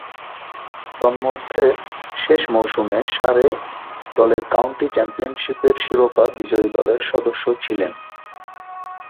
তন্মধ্যে, শেষ মৌসুমে সারে দলের কাউন্টি চ্যাম্পিয়নশীপের শিরোপা বিজয়ী দলের সদস্য ছিলেন।